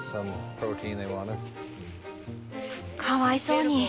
かわいそうに。